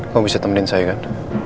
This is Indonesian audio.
kok bisa temenin saya kan